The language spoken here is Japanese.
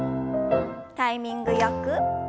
タイミングよく。